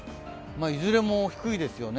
いずれも低いですよね。